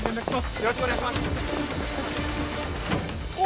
よろしくお願いします